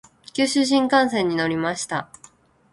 九州新幹線に乗りました。